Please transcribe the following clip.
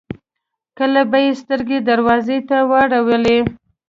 کله به يې سترګې دروازې ته واړولې.